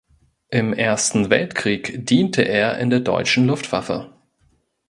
Im Ersten Weltkrieg diente er in der deutschen Luftwaffe.